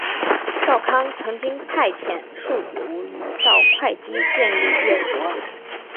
少康曾经派遣庶子无余到会稽建立越国。